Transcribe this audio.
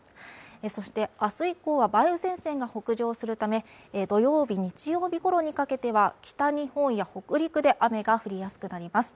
そして、明日以降は梅雨前線が北上するため土曜日、日曜日ごろにかけては、北日本や北陸で雨が降りやすくなります。